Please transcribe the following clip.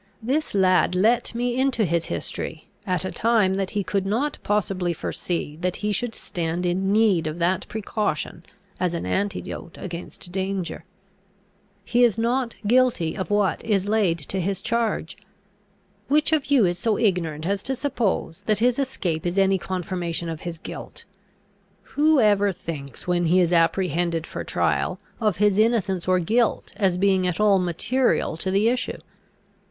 This lad let me into his history, at a time that he could not possibly foresee that he should stand in need of that precaution as an antidote against danger. He is not guilty of what is laid to his charge. Which of you is so ignorant as to suppose, that his escape is any confirmation of his guilt? Who ever thinks, when he is apprehended for trial, of his innocence or guilt as being at all material to the issue?